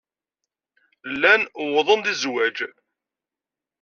Llan uwḍen-d i zzwaj.